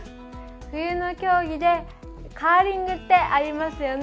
冬の競技でカーリングってありますよね。